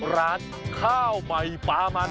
ร้านข้าวใหม่ปลามัน